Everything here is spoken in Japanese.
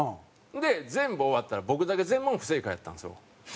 で全部終わったら僕だけ全問不正解やったんですよ。